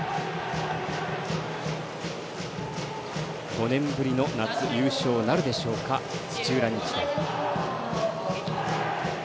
５年ぶりの夏優勝なるでしょうか土浦日大。